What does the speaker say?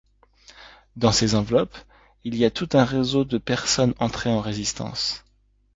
Dans ces enveloppes, il y a tout un réseau de personnes entrées en résistance.